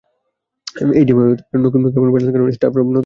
HMD হলো Nokia phone বাজারজাতকরণের startup বা নতুন উদ্যোক্তা প্রতিষ্ঠান।